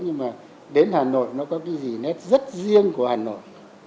nhưng mà đến hà nội nó có cái gì nét rất riêng của hà nội